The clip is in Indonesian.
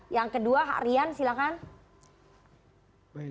yang kedua rian silahkan